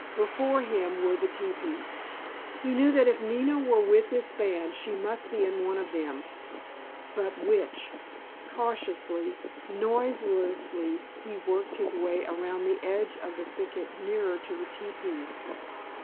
Before him were the teepees. He knew that if Nina were with this band she must be in one of them,—but which? Cautiously, noiselessly, he worked his way around the edge of the thicket nearer to the teepees.